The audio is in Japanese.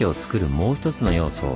もう一つの要素